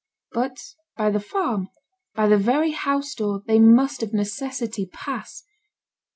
But by the farm, by the very house door they must of necessity pass.